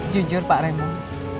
jujur pak raymond